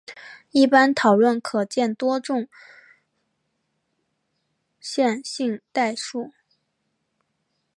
一般讨论可见多重线性代数。